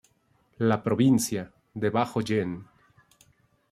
La provincia, debajo Gen.